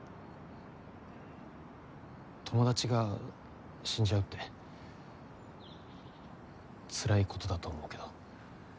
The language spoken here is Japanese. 友達が死んじゃうってつらいことだと思うけど。